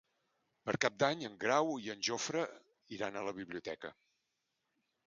Per Cap d'Any en Grau i en Jofre iran a la biblioteca.